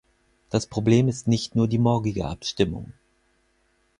Das Problem ist nicht nur die morgige Abstimmung.